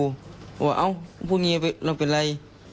บอกว่าเอ้าพูดอย่างนี้เราเป็นไร